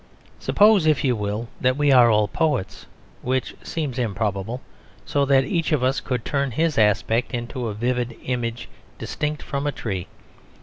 Suppose, if you will, that we are all poets, which seems improbable; so that each of us could turn his aspect into a vivid image distinct from a tree.